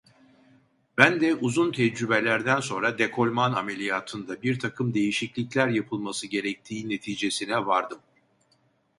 Ben de uzun tecrübelerden sonra dekolman ameliyatında birtakım değişiklikler yapılması gerektiği neticesine vardım.